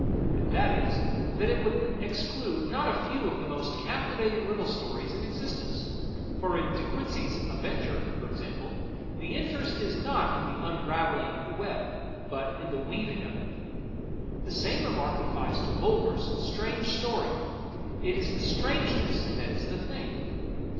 And that is, that it would exclude not a few of the most captivating riddle stories in existence ; for in De Quincey's " Avenger," for example, the interest is not in the unraveling of the web, but in the weav ing of it. The same remark applies to Bulwer's " Strange Story ": it is the strangeness that is the thing.